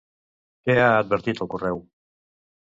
Què ha advertit al correu?